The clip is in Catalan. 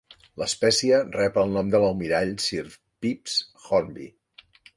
L'espècie rep el nom de l'almirall Sir Phipps Hornby.